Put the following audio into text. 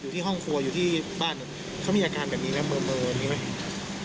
อยู่ที่ห้องครัวอยู่ที่บ้านเขามีอาการแบบนี้นะเมอร์อย่างนี้ไหม